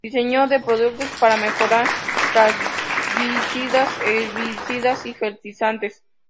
Diseño de productos para mejorar plaguicidas, herbicidas y fertilizantes.